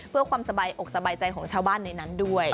เพื่อความสบายอกสบายใจของชาวบ้านในนั้นด้วย